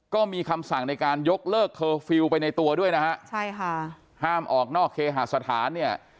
ก็มีคำสั่งในการยกเลิกเคอร์ฟิลล์ไปในตัวด้วยนะฮะใช่ค่ะห้ามออกนอกเคหาสถานเนี่ย